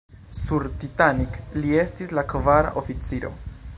Sur "Titanic" li estis la kvara oficiro.